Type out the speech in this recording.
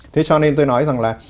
thế cho nên tôi nói rằng là